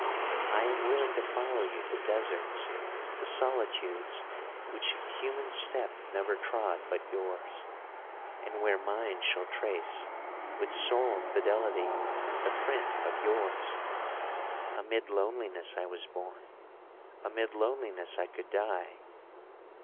I am willing to follow you to deserts, to solitudes, which human step never trod but yours, and where mine shall trace, with sole fidelity, the print of yours. Amid loneliness I was born; amid loneliness I could die.